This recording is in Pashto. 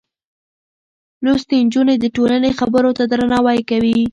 لوستې نجونې د ټولنې خبرو ته درناوی کوي.